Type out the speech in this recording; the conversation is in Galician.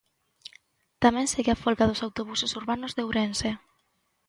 Tamén segue a folga dos autobuses urbanos de Ourense.